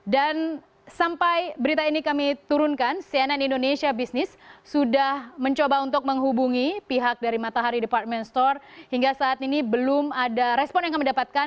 dan sampai berita ini kami turunkan cnn indonesia business sudah mencoba untuk menghubungi pihak dari matahari department store hingga saat ini belum ada respon yang kami dapatkan